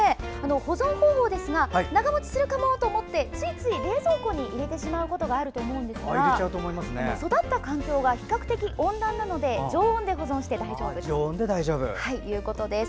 保存方法ですが長持ちするかもと思ってついつい冷蔵庫に入れてしまうことがあるかもしれませんが育った環境が比較的、温暖なので常温で保存して大丈夫だそうです。